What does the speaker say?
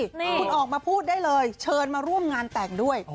คุณออกมาพูดได้เลยเชิญมาร่วมงานแต่งด้วย